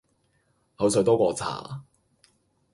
口水多過茶